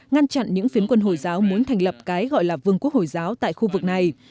ngăn chặn những phiến quân hồi giáo muốn thành lập cái gọi là vương quốc hồi giáo tại khu vực này